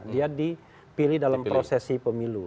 dia dipilih dalam prosesi pemilu